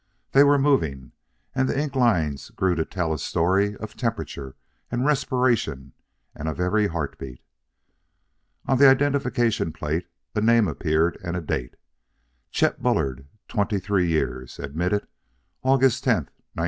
They were moving; and the ink lines grew to tell a story of temperature and respiration and of every heart beat. On the identification plate a name appeared and a date: "Chet Bullard 23 years. Admitted: August 10, 1973."